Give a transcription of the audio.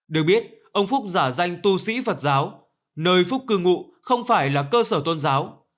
được biết ông phúc giả danh tu sĩ phật giáo nơi phúc cư ngụ không phải là cơ sở tôn giáo